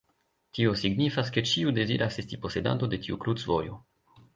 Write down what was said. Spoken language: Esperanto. Tio signifas, ke ĉiu deziras esti posedanto de tiu krucvojo.